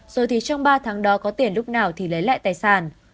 rồi thì trong ba tháng đó có tiền lúc nào thì lấy lại tài sản